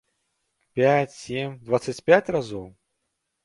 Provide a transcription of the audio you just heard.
Пяць, сем, дваццаць пяць разоў?